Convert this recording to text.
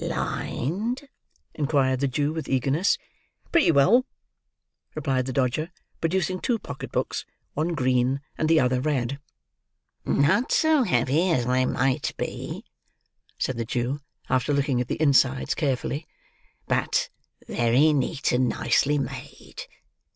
"Lined?" inquired the Jew, with eagerness. "Pretty well," replied the Dodger, producing two pocket books; one green, and the other red. "Not so heavy as they might be," said the Jew, after looking at the insides carefully; "but very neat and nicely made.